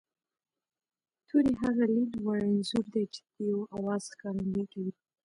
توری هغه لید وړ انځور دی چې د یوه آواز ښکارندويي کوي